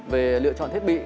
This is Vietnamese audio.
về lựa chọn thiết bị